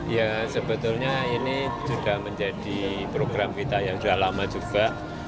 ya sebetulnya ini sudah menjadi program kita yang sudah lama juga